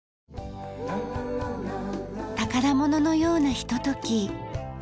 宝物のようなひととき。